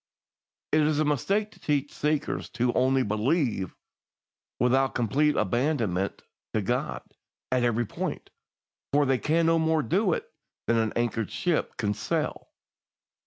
"It is a mistake to teach seekers to 'only believe,' without complete abandonment to God at every point, for they can no more do it than an anchored ship can sail.